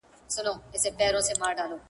دې لېوني لمر ته چي زړه په سېپاره کي کيښود~